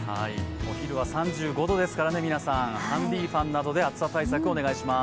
お昼は３５度ですからね、皆さん、ハンディファンなどで暑さ対策をお願いします。